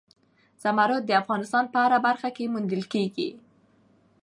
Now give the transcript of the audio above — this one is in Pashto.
زمرد د افغانستان په هره برخه کې موندل کېږي.